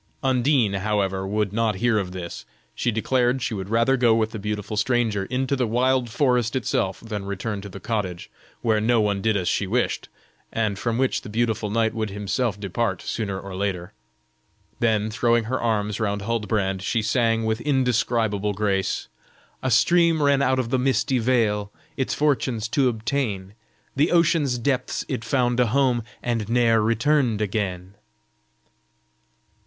Undine, however, would not hear of this; she declared she would rather go with the beautiful stranger, into the wild forest itself, than return to the cottage, where no one did as she wished, and from which the beautiful knight would himself depart sooner or later. Then, throwing her arms round Huldbrand, she sang with indescribable grace: "A stream ran out of the misty vale Its fortunes to obtain, the ocean's depths it found a home And ne'er returned again."